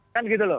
kan gitu loh